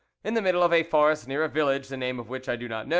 In the middle of a forest near a village, the name of which I do not know, M.